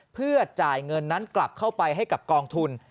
เพื่อจ่ายเงินนั้นกลับเข้าไปให้กับกองทุน